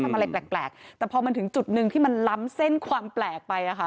อะไรแปลกแต่พอมันถึงจุดหนึ่งที่มันล้ำเส้นความแปลกไปอ่ะค่ะ